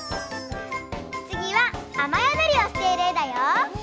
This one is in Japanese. つぎはあまやどりをしているえだよ。